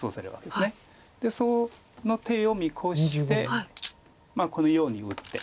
でその手を見越してこのように打って。